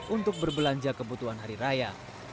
untuk berbelanja kebutuhan hari raya